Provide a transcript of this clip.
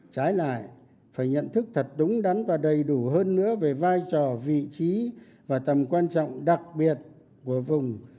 trái lại phải nhận thức thật đúng đắn và đầy đủ hơn nữa về vai trò vị trí và tầm quan trọng đặc biệt của vùng